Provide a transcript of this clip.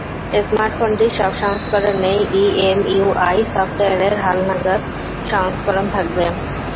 স্মার্টফোনটির সব সংস্করণেই ইএমইউআই সফটওয়্যারের হালনাগাদ সংস্করণ থাকবে।